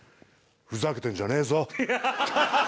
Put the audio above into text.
ふざけてんじゃねえぞ。